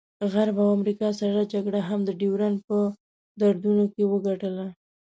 غرب او امریکا سړه جګړه هم د ډیورنډ په دردونو کې وګټله.